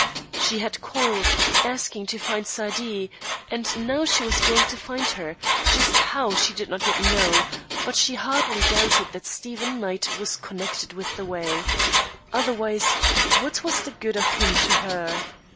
She had called, asking to find Saidee, and now she was going to find her, just how she did not yet know; but she hardly doubted that Stephen Knight was connected with the way. Otherwise, what was the good of him to her?